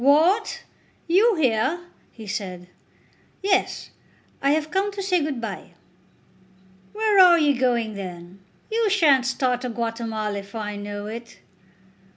"What; you here?" he said. "Yes; I have come to say good bye." "Where are you going then? You shan't start to Guatemala if I know it."